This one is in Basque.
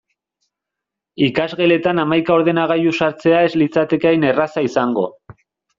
Ikasgeletan hamaika ordenagailu sartzea ez litzateke hain erraza izango.